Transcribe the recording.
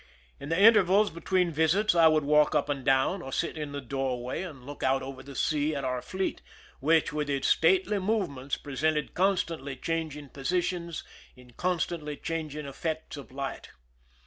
In the intervals between ^7isits I would walk up and down, or sit in the doorway and look out over the sea at our fleet, which, with its stately movements, presented constantly changing positions in constantly chang ing effects of light.